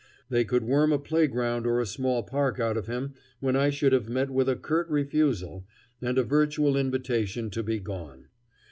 They could worm a playground or a small park out of him when I should have met with a curt refusal and a virtual invitation to be gone.